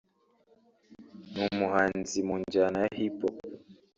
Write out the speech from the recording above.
ni umuhanzi mu njyana ya Hip Hop